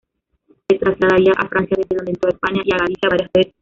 Se trasladaría a Francia, desde donde entró a España y a Galicia varias veces.